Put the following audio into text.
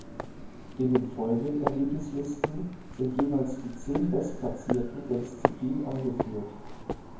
In den folgenden Ergebnislisten sind jeweils die zehn Bestplatzierten der Disziplin angeführt.